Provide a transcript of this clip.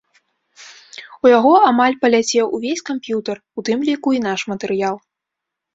У яго амаль паляцеў увесь камп'ютар, у тым ліку і наш матэрыял.